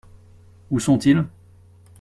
Où sont-ils ?